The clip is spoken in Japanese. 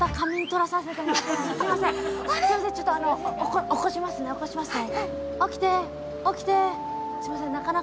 すみません、起こしますね、起こしますね。